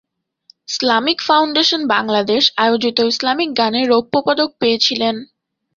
Islamic foundation Bangladesh আয়োজিত Islamic গানে রৌপ্যপদক পেয়েছিলেন।